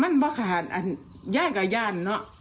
มันมาขาดอันย่านกับย่านเนอะ